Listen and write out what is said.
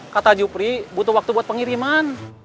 kata jupri butuh waktu buat pengiriman